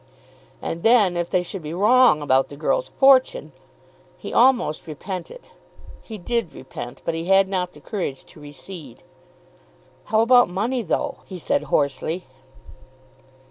And then if they should be wrong about the girl's fortune! He almost repented. He did repent, but he had not the courage to recede. "How about money though?" he said hoarsely.